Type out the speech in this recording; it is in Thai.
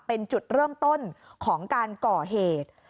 เป็นจุดเริ่มต้นของการก่อเหตุ